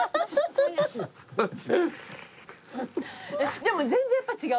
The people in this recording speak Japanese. でも全然やっぱ違う？